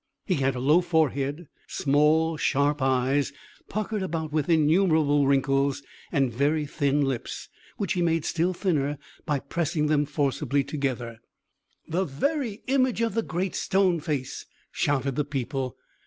He had a low forehead, small, sharp eyes, puckered about with innumerable wrinkles, and very thin lips, which he made still thinner by pressing them forcibly together. "The very image of the Great Stone Face!" shouted the people.